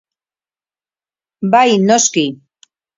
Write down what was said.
Bai, noski!